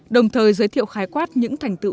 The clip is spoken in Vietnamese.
đồng thời giới thiệu khai quát những thành tựu